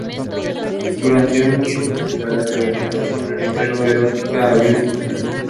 Durante un tiempo se le relacionó con la modelo erótica April Summers.